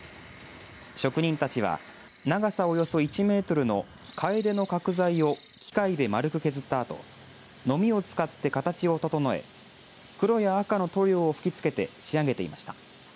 職人たちは長さおよそ１メートルのかえでの角材を機械で丸く削ったあとのみを使って形を整え黒や赤の塗料を吹きつけて仕上げていました。